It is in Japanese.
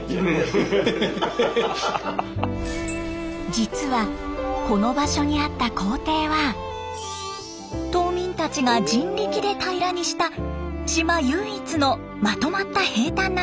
実はこの場所にあった校庭は島民たちが人力で平らにした島唯一のまとまった平たんな土地。